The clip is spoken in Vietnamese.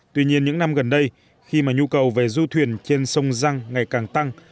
tuy nhiên những năm gần đây khi mà nhu cầu về du thuyền trên sông răng ngày càng tăng